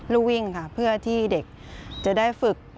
ลูกวิ่งค่ะเพื่อที่เด็กจะได้ฝึก